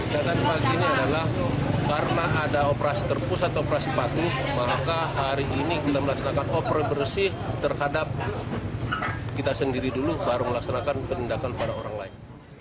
dengan pagi ini adalah karena ada operasi terpusat operasi patuh maka hari ini kita melaksanakan operasi bersih terhadap kita sendiri dulu baru melaksanakan penindakan pada orang lain